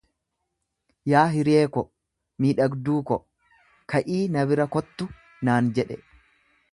yaa hiriyee ko, miidhagduu ko, ka'ii na bira kottu! naan jedhe.